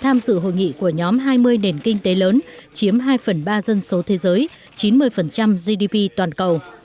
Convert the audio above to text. tham dự hội nghị của nhóm hai mươi nền kinh tế lớn chiếm hai phần ba dân số thế giới chín mươi gdp toàn cầu